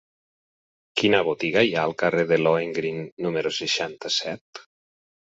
Quina botiga hi ha al carrer de Lohengrin número seixanta-set?